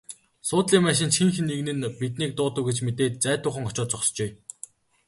Суудлын машин ч хэн нэг нь биднийг дуудав гэж мэдээд зайдуухан очоод зогсжээ.